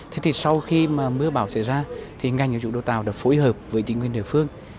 thế thì sau khi mưa bão xảy ra thì ngành hợp dụng đô tàu đã phối hợp với tỉnh nguyên địa phương